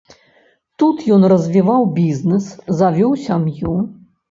Тут ён развіваў бізнэс, завёў сям'ю.